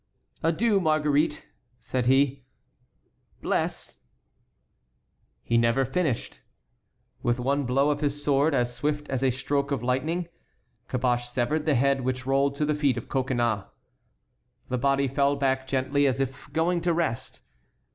"Adieu, Marguerite," said he; "bless"— He never finished. With one blow of his sword, as swift as a stroke of lightning, Caboche severed the head, which rolled to the feet of Coconnas. The body fell back gently as if going to rest.